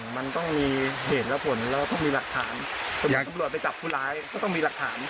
สมบูรณ์กำรวจไปจับผู้ร้ายก็ต้องมีหลักฐาน